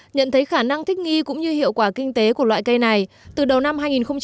nhận thấy khả năng thích nghi cũng như hiệu quả kinh tế của loại cây này từ đầu năm hai nghìn một mươi chín